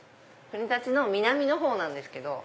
国立の南のほうなんですけど。